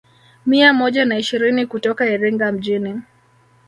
Mia moja na ishirini kutoka Iringa mjini